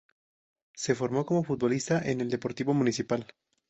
Se formó como futbolista en el Deportivo Municipal.